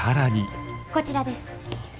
こちらです。